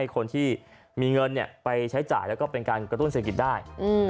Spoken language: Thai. คนที่มีเงินไปใช้จ่ายแล้วก็เป็นการกระตุ้นเศรษฐกิจได้